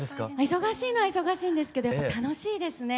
忙しいのは忙しいんですけどやっぱ楽しいですね。